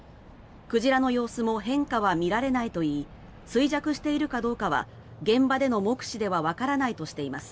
鯨の様子も変化は見られないといい衰弱しているかどうかは現場での目視ではわからないとしています。